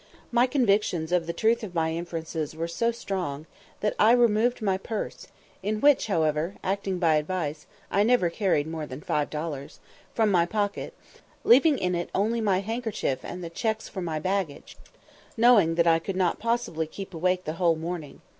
My convictions of the truth of my inferences were so strong, that I removed my purse, in which, however, acting by advice, I never carried more than five dollars, from my pocket, leaving in it only my handkerchief and the checks for my baggage, knowing that I could not possibly keep awake the whole morning.